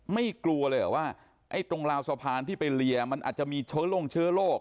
ไม่กลัวเลยเหรอว่าไอ้ตรงราวสะพานที่ไปเลียมันอาจจะมีเชื้อลงเชื้อโรค